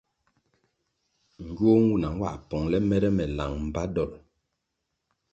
Ngywuoh nwuna nwā pongʼle mere me lang mbpa dolʼ.